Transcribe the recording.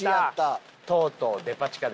とうとうデパ地下です。